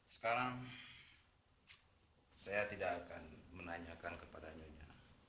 sekarang saya tidak akan menanyakan kepada nyonya